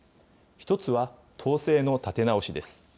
１つは、党勢の立て直しです。